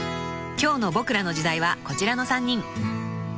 ［今日の『ボクらの時代』はこちらの３人］